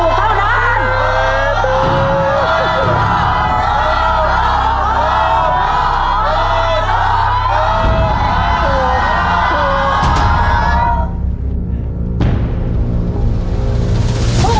ต้องขึ้นไปตอนนั้น